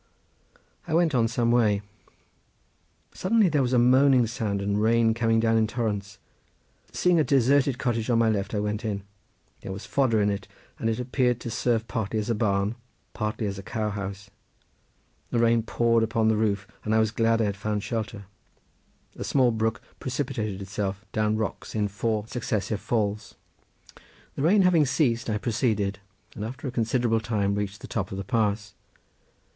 I went on some way. Suddenly there was a moaning sound, and rain came down in torrents. Seeing a deserted cottage on my left I went in. There was fodder in it, and it appeared to serve partly as a barn, partly as a cowhouse. The rain poured upon the roof and I was glad I had found shelter. Close behind this place a small brook precipitated itself down rocks in four successive falls. The rain having ceased I proceeded and after a considerable time reached the top of the pass.